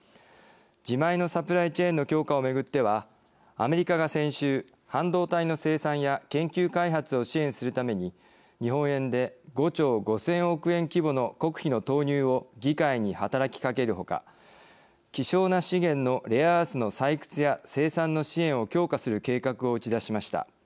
自前のサプライチェーンの強化をめぐってはアメリカが先週、半導体の生産や研究開発を支援するために日本円で５兆５０００億円規模の国費の投入を議会に働きかけるほか希少な資源のレアアースの採掘や生産の支援を強化する計画を打ち出しました。